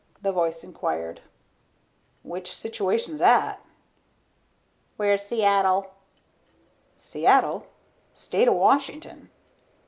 the voice inquired. "Which situation's 'at?" "Where's Seattle?" "Seattle? State o' Washington."